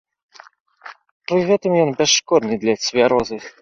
Пры гэтым ён бясшкодны для цвярозых.